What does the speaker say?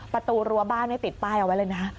ประตูรัวบ้านไม่ติดป้ายเอาไว้เลยนะ